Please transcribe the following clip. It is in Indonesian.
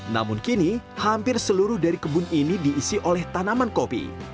namun kini hampir seluruh dari kebun ini diisi oleh tanaman kopi